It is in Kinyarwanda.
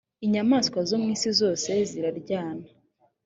inyamaswa zo mu isi zose ziraryana